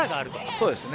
そうですね。